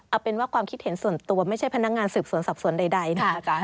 เอาเป็นว่าความคิดเห็นส่วนตัวไม่ใช่พนักงานสืบสวนสอบสวนใดนะคะ